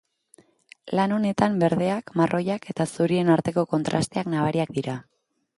Lan honetan berdeak, marroiak eta zurien arteko kontrasteak nabariak dira.